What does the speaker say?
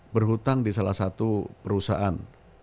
berhutang di salah satu perusahaan